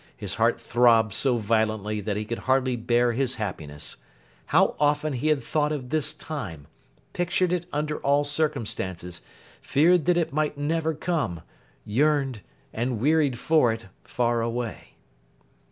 His heart throbbed so violently that he could hardly bear his happiness. How often he had thought of this time—pictured it under all circumstances—feared that it might never come—yearned, and wearied for it—far away!